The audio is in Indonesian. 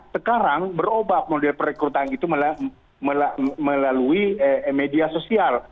sekarang berobat model perekrutan itu melalui media sosial